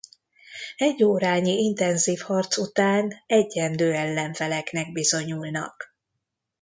Egy órányi intenzív harc után egyenlő ellenfeleknek bizonyulnak.